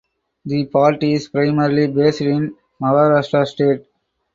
The party is primarily based in Maharashtra state.